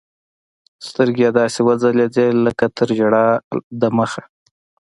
سترګې يې داسې وځلېدې لكه تر ژړا د مخه.